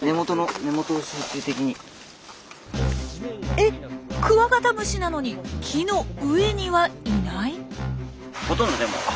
えっクワガタムシなのに木の上にはいない？